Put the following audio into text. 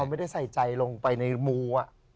ไม่ได้ใส่ใจลงไปในมู